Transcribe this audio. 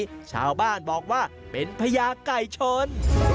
ซึ่งชาวบ้านบอกว่าเป็นพระยากไก่ชน